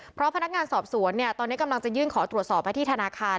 เพราะพนักงานสอบสวนเนี่ยตอนนี้กำลังจะยื่นขอตรวจสอบไปที่ธนาคาร